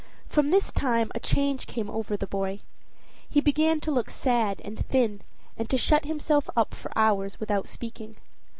From this time a change came over the boy. He began to look sad and thin, and to shut himself up for hours without speaking.